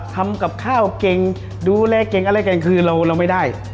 ทำกับข้าวเก่งดูแลเก่งอะไรเก่งคือเราไม่ได้